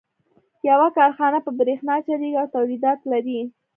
يوه کارخانه په برېښنا چلېږي او توليدات لري.